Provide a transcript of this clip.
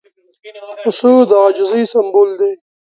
پسه د عاجزۍ سمبول دی.